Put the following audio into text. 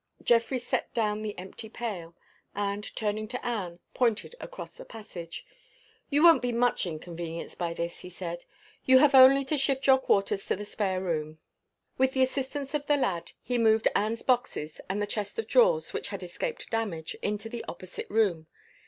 Geoffrey set down the empty pail; and, turning to Anne, pointed across the passage. "You won't be much inconvenienced by this," he said. "You have only to shift your quarters to the spare room." With the assistance of the lad, he moved Anne's boxes, and the chest of drawers, which had escaped damage, into the opposite room.